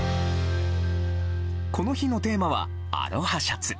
この日のテーマはアロハシャツ。